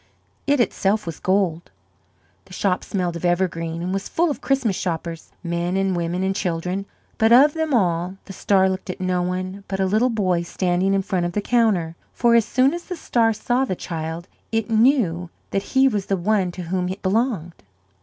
It itself was gold. The shop smelled of evergreen, and was full of Christmas shoppers, men and women and children; but of them all, the star looked at no one but a little boy standing in front of the counter; for as soon as the star saw the child it knew that he was the one to whom it belonged.